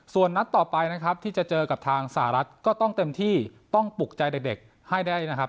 ส่วนนัดต่อไปนะครับที่จะเจอกับทางสหรัฐก็ต้องเต็มที่ต้องปลุกใจเด็กให้ได้นะครับ